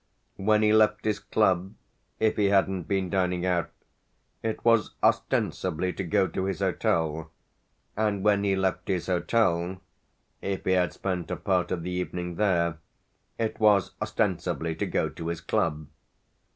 When he left his club, if he hadn't been dining out, it was ostensibly to go to his hotel; and when he left his hotel, if he had spent a part of the evening there, it was ostensibly to go to his club.